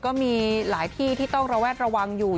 ก็มีหลายที่ที่ต้องระแวดระวังอยู่